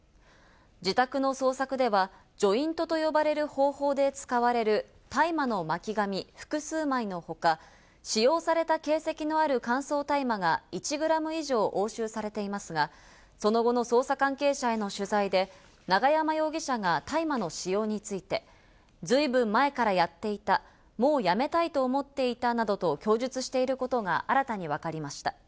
自宅の捜索では、ジョイントと呼ばれる方法で使われる大麻の巻紙、複数枚の他、使用された形跡のある乾燥大麻が１グラム以上押収されていますが、その後の捜査関係者への取材で、永山容疑者が大麻の使用について、ずいぶん前からやっていた、もうやめたいと思っていたなどと供述していることが新たにわかりました。